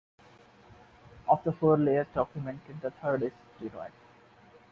Of the four layers documented, the third is sterile.